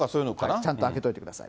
ちゃんと開けておいてください。